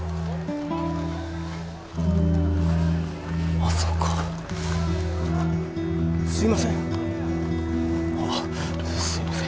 まさか・すいませんああすいません